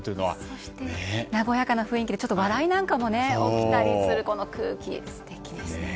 そして和やかな雰囲気でちょっと笑いなんかも起きたりするこの空気、素敵ですね。